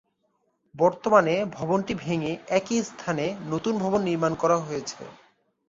বর্তমানে ভবনটি ভেঙ্গে একই স্থানে নতুন ভবন নির্মাণ করা হয়েছে।